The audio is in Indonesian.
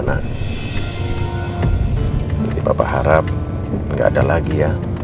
jadi papa harap gak ada lagi ya